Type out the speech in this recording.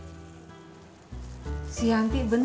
biar bolunya si yanti aja nerusin